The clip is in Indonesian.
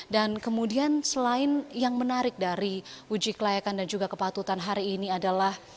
dan kemudian selain yang menarik dari uji kelayakan dan juga kepatutan hari ini adalah